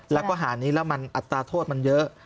แล้วก็หานี้แล้วมันอัตราโทษมันเยอะ